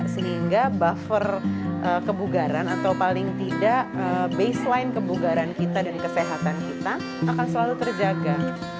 sehingga buffer kebugaran atau paling tidak baseline kebugaran kita dan kesehatan kita akan selalu terjaga